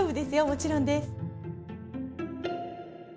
もちろんです。